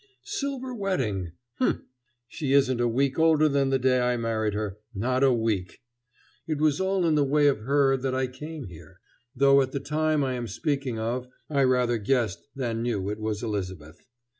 Silver wedding, humph! She isn't a week older than the day I married her not a week. It was all in the way of her that I came here; though at the time I am speaking of I rather guessed than knew it was Elizabeth.